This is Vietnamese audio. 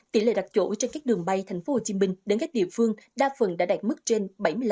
tỉ lệ đặc dỗ trên các đường bay thành phố hồ chí minh đến các địa phương đa phần đã đạt mức trên bảy mươi năm